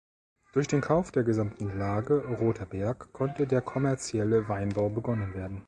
Durch den Kauf der gesamten Lage Roter Berg konnte der kommerzielle Weinbau begonnen werden.